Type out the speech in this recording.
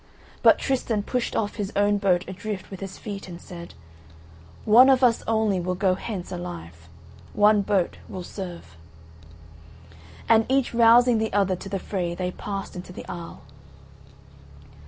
But Tristan pushed off his own boat adrift with his feet, and said: "One of us only will go hence alive. One boat will serve." And each rousing the other to the fray they passed into the isle.